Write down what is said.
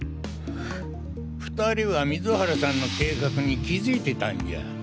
２人は水原さんの計画に気付いてたんじゃ。